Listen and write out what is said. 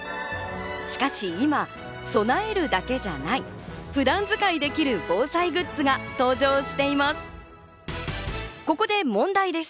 しかし今、備えるだけじゃない、普段使いできる防災グッズが登場しています。